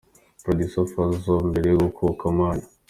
Producer Fazzo mbere yo Gukuka amanyo.